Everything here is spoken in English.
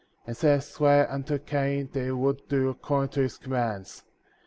And Satan sware unto Cain that he would do according to his commands.